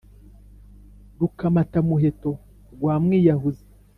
rukamatamuheto rwa mwiyahuzi